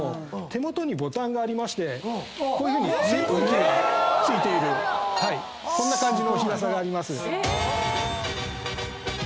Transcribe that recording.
手元にボタンがありまして扇風機が付いているこんな感じの日傘があります。